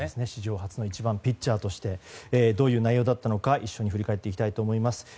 史上初の１番ピッチャーとしてどういう内容だったのか振り返ってみたいと思います。